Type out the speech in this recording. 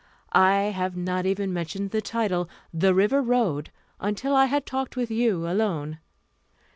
I have not even mentioned the title, The River Road, until I had talked with you alone.